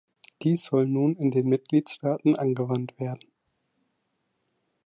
Dies soll nun in den Mitgliedstaaten angewandt werden.